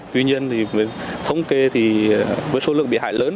tuy nhiên thì thống kê thì với số lượng bị hại lớn